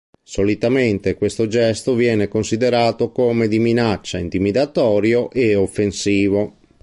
Solitamente questo gesto viene considerato come di minaccia, intimidatorio e offensivo.